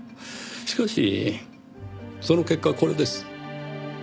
しかしその結果これです。